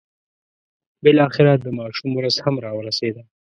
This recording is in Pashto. بالاخره د ماشوم ورځ هم را ورسېده.